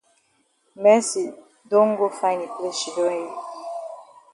Mercy don go find yi place shidon yi.